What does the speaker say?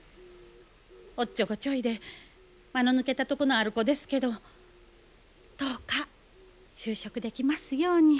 おっちょこちょいで間の抜けたとこのある子ですけどどうか就職できますように。